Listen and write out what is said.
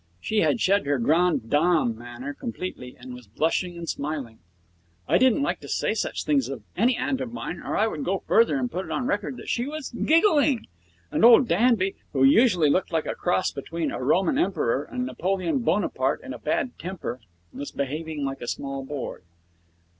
She had shed her grande dame manner completely, and was blushing and smiling. I don't like to say such things of any aunt of mine, or I would go further and put it on record that she was giggling. And old Danby, who usually looked like a cross between a Roman emperor and Napoleon Bonaparte in a bad temper, was behaving like a small boy.